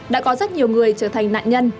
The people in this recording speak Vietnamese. đã có rất nhiều người trở thành nạn nhân